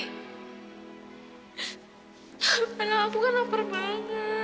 nah menang aku kan lapar banget